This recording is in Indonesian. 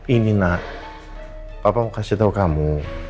ini nak papa mau kasih tahu kamu